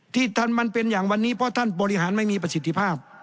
ที่ท่านมันเป็นอย่างวันนี้เพราะท่านบริหารไม่มีประสิทธิภาพ